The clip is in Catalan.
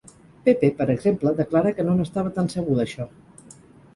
Pepe, per exemple, declarà que no n'estava tan segur d'això.